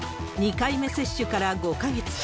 ２回目接種から５か月。